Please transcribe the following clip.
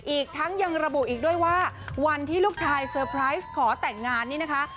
อีกทั้งยังระบุอีกด้วยว่าวันที่ลูกชายเซอร์ไพรส์ขอแต่งงานนี่นะคะ